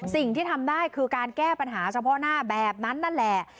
สิ่งที่ทำได้คือการแก้ปัญหาเฉพาะหน้าแบบนั้นนั่นแหละ